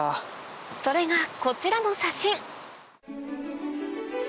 それがこちらの写真